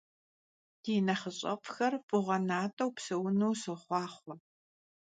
Di nexhış'ef'xer f'ığue nat'eu pseunu soxhuaxhue!